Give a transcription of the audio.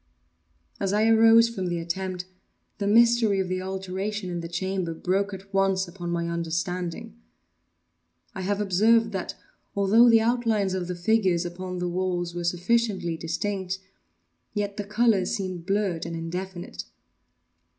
As I arose from the attempt, the mystery of the alteration in the chamber broke at once upon my understanding. I have observed that, although the outlines of the figures upon the walls were sufficiently distinct, yet the colors seemed blurred and indefinite.